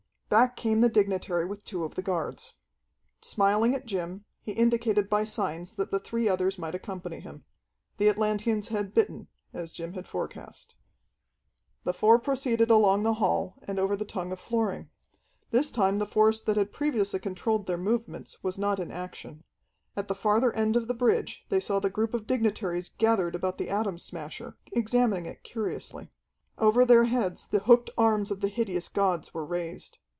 Back came the dignitary with two of the guards. Smiling at Jim, he indicated by signs that the three others might accompany him. The Atlanteans had bitten, as Jim had forecast. The four proceeded along the hall and over the tongue of flooring. This time the force that had previously controlled their movements was not in action. At the farther end of the bridge they saw the group of dignitaries gathered about the Atom Smasher, examining it curiously. Over their heads the hooked arms of the hideous gods were raised.